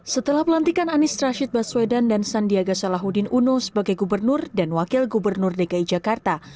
setelah pelantikan anies rashid baswedan dan sandiaga salahuddin uno sebagai gubernur dan wakil gubernur dki jakarta